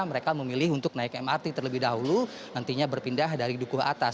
mereka memilih untuk naik mrt terlebih dahulu nantinya berpindah dari dukuh atas